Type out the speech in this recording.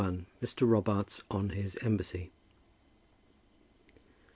MR. ROBARTS ON HIS EMBASSY.